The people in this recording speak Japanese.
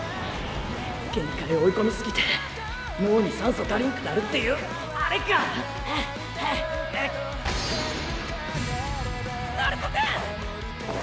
限界追い込みすぎて脳に酸素足りんくなるっていうあれか鳴子くん！